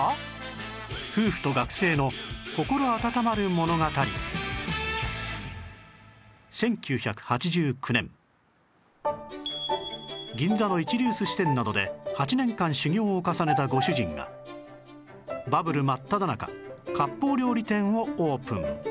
なぜ１９８９年銀座の一流寿司店などで８年間修業を重ねたご主人がバブル真っただ中割烹料理店をオープン